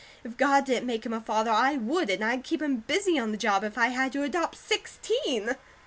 If God didn't make him a father, I would, and I'd keep him BUSY on the job, if I had to adopt sixteen."